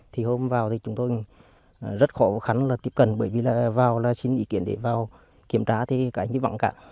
thì hôm vào thì chúng tôi rất khó khăn là tiếp cận bởi vì là vào là xin ý kiến để vào kiểm tra thì cái hy vọng cả